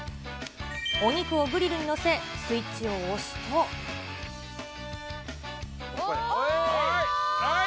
お肉をグリルに載せ、スイッチをうわー。